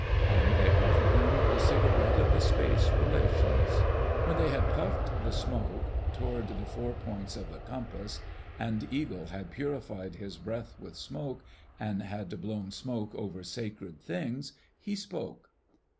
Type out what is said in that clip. And they offered him the cigarette of the space relations. When they had puffed the smoke toward the four points of the compass, and Eagle had purified his breath with smoke, and had blown smoke over sacred things, he spoke.